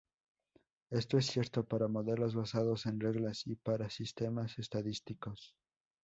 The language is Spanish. Esto es cierto para modelos basados en reglas y para sistemas estadísticos.